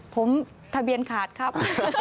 ผมทะเบียนขาดครับ